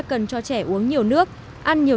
cần cho trẻ uống nhiều nước ăn nhiều